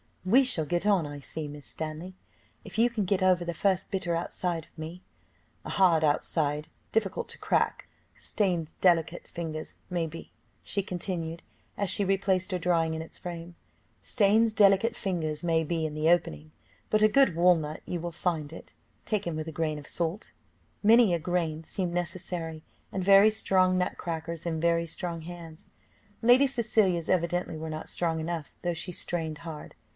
"We shall get on, I see, Miss Stanley, if you can get over the first bitter outside of me; a hard outside, difficult to crack stains delicate fingers, may be," she continued, as she replaced her drawing in its frame "stains delicate fingers, may be, in the opening, but a good walnut you will find it, taken with a grain of salt." Many a grain seemed necessary, and very strong nut crackers in very strong hands. Lady Cecilia's evidently were not strong enough, though she strained hard.